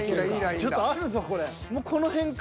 ちょっとあるぞこれ。